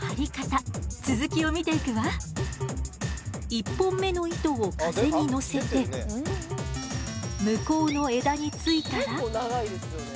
１本目の糸を風に乗せて向こうの枝についたら。結構長いですよね。